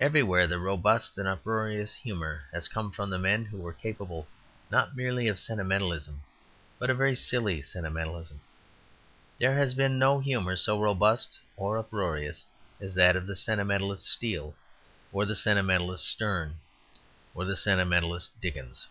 Everywhere the robust and uproarious humour has come from the men who were capable not merely of sentimentalism, but a very silly sentimentalism. There has been no humour so robust or uproarious as that of the sentimentalist Steele or the sentimentalist Sterne or the sentimentalist Dickens.